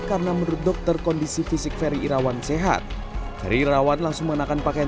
karena menurut dokter kondisi fisik feri irawan sehat feri irawan langsung mengenakan pakaian